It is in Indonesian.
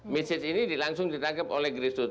mesej ini langsung ditangkap oleh grace root